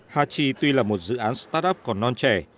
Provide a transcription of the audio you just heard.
hachi tuy là một dự án start up còn non trẻ